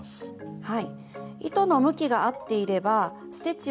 はい。